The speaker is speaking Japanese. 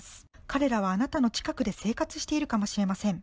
彼らはあなたの近くで生活しているかもしれません。